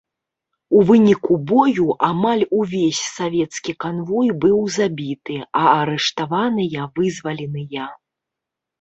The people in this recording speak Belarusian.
У выніку бою амаль увесь савецкі канвой быў забіты, а арыштаваныя вызваленыя.